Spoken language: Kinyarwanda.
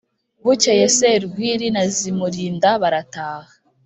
bukeye serwili na zimulinda barataha